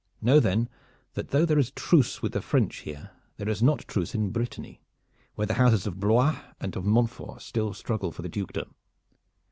Know then that though there is truce with the French here, there is not truce in Brittany where the houses of Blois and of Montfort still struggle for the dukedom.